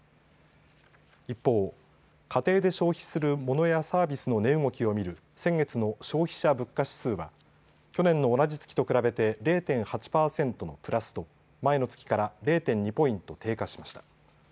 一方、家庭で消費するモノやサービスの値動きを見る先月の消費者物価指数は去年の同じ月と比べて０．８％のプラスと前の月から０．２ポイント低下しました。